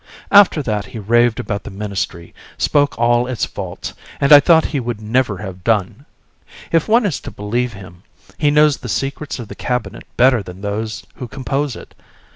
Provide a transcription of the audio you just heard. After that he raved about the ministry, spoke of all its faults, and I thought he would never have done. If one is to believe him, he knows the secrets of the cabinet better than those who compose it.